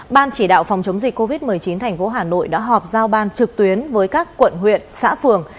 ban chỉ đạo phòng chống dịch covid một mươi chín thành phố hà nội đã họp giao ban trực tuyến với các quận huyện xã phường